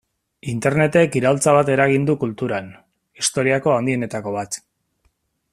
Internetek iraultza bat eragin du kulturan, historiako handienetako bat.